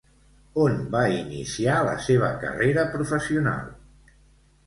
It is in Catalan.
On va iniciar la seva carrera professional?